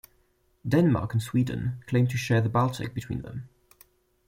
Denmark and Sweden claimed to share the Baltic between them.